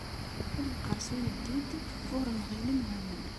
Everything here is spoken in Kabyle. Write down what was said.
Ur iqqers uyeddid ur nɣilen waman.